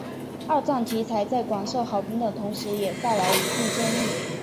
二战题材在广受好评的同时也带来一定争议。